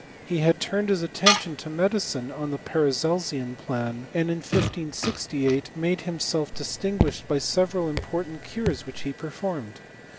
He had turned his atten* tion to medicine on the Paracelsian plan, and in 156ft made himself distinguished by several important curei which he performed.